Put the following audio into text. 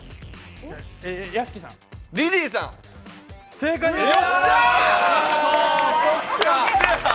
正解です！